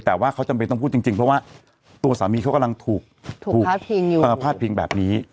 แต่ว่าเขาจำเป็นต้องพูดจริงเพราะว่าตัวสามีเขากำลังถูกพาดพิงแบบนี้